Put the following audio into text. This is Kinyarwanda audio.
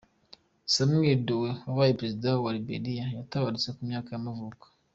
Samuel Doe, wabaye perezida wa wa Liberiya yaratabarutse, ku myaka y’amavuko.